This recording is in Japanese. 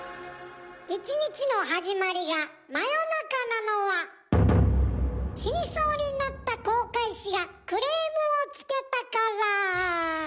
１日の始まりが真夜中なのは死にそうになった航海士がクレームをつけたから。